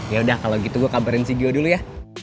yaudah kalau gitu gue kabarin si gio dulu ya